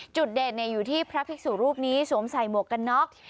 จุดเด่นอยู่ที่พระภิกษุรูปนี้สวมใส่หมวกกันน็อก